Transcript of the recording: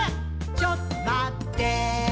ちょっとまってぇー」